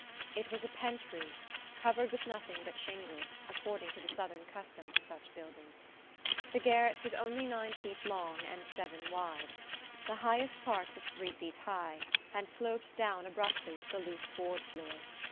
It was a pent roof, covered with nothing but shingles, according to the southern custom for such buildings. The garret was only nine feet long and seven wide. The highest part was three feet high, and sloped down abruptly to the loose board floor.